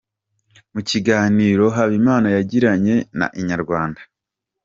Mu kiganiro Habimana yagiranye na Inyarwanda.